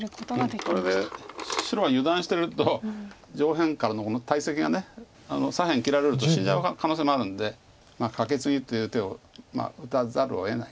これで白は油断してると上辺からの大石が左辺切られると死んじゃう可能性もあるんでカケツギっていう手を打たざるをえない。